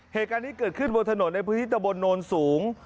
เหตุการณ์นี้เกิดขึ้นบนถนนในพื้นที่ตะบนโนนสูง